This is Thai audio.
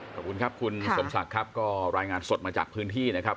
ขอบคุณครับคุณสมศักดิ์ครับก็รายงานสดมาจากพื้นที่นะครับ